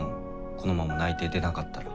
このまま内定出なかったら。